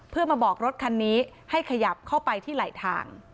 เพื่อมาบอกรถคันนี้ให้ขยับเข้าไปที่ไหลทาง